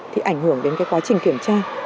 thì ảnh hưởng đến cái quá trình kiểm tra